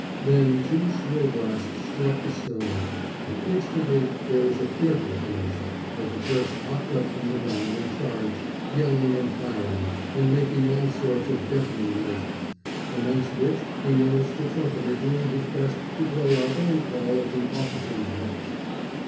Then two shrill blasts struck the still night, and instantly there was a fearful commotion, for the Turks hopped up from the ground and charged, yelling and firing, and making all sorts of deafening noises, amongst which we noticed a trumpeter doing his best to blow our own call of the "Officers' Mess."